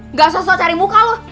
eh gak sesuai cari muka lo